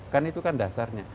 kan itu kan dasarnya